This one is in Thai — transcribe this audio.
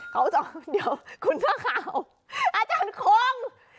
เดี๋ยวคุณท่าข่าวอาจารย์คง